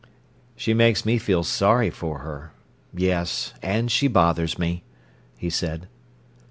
"She makes me feel sorry for her—yes, and she bothers me," he said.